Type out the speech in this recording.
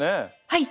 はい。